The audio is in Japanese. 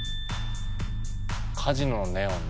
カジノのネオンね。